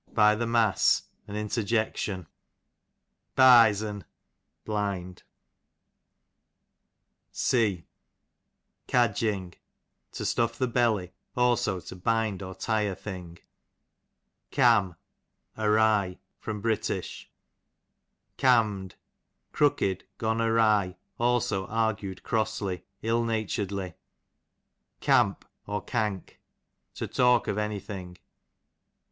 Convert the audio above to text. by the mass, an interjection. Byzen, bliiul. C Cadgikg, to stuff the belly ; also to bind or tie a thing. Cam, awry. Br. Canim'd, crooked, gone awry ; cdso argued crossly, ill nataredly. Camp,) „^\ to talk of any thing.